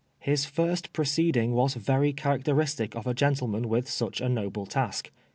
His first proceeding was very characteristic of a gentle man with such a noble task.